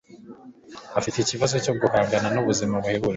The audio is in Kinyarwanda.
afite ikibazo cyo guhangana nubuzima buhebuje.